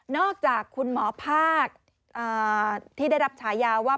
จากคุณหมอภาคที่ได้รับฉายาว่า